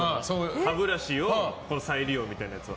歯ブラシを再利用みたいなやつは。